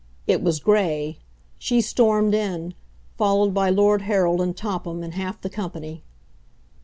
It was Gray. She stormed in, followed by Lord Harold and Topham, and half the company.